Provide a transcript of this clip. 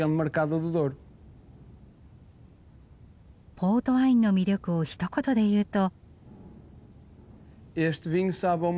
ポートワインの魅力をひと言で言うと？